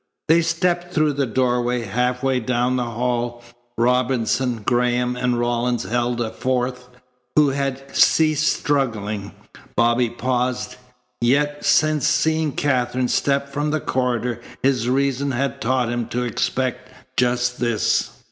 They stepped through the doorway. Half way down the hall Robinson, Graham, and Rawlins held a fourth, who had ceased struggling. Bobby paused, yet, since seeing Katherine step from the corridor, his reason had taught him to expect just this.